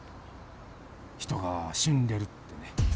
人が死んでるってね。